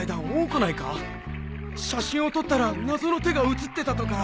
写真を撮ったら謎の手が写ってたとか